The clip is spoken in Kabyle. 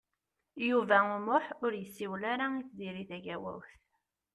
Yuba U Muḥ ur yessiwel ara i Tiziri Tagawawt.